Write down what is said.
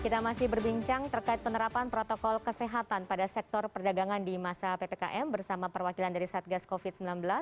kita masih berbincang terkait penerapan protokol kesehatan pada sektor perdagangan di masa ppkm bersama perwakilan dari satgas covid sembilan belas